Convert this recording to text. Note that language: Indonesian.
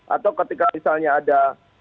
atau ketika misalnya ada